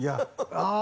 ああ。